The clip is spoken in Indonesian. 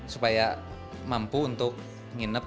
supaya mampu untuk nginep